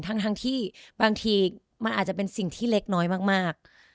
ทั้งที่บางทีมันอาจจะเป็นสิ่งที่เล็กน้อยมาก